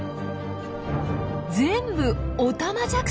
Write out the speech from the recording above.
全部オタマジャクシ！